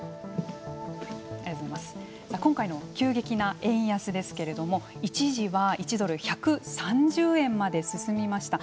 今回の急激な円安ですけれども一時は、１ドル１３０円まで進みました。